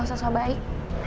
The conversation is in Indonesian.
gak usah soal baik